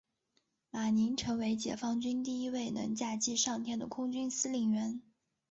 马宁成为解放军第一位能驾机上天的空军司令员。